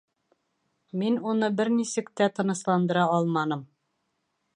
Мин уны бер нисек тә тынысландыра алманым